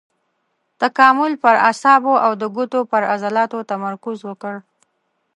تکامل پر اعصابو او د ګوتو پر عضلاتو تمرکز وکړ.